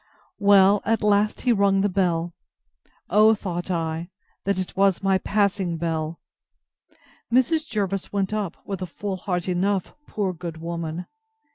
Well, at last he rung the bell: O, thought I, that it was my passing bell! Mrs. Jervis went up, with a full heart enough, poor good woman!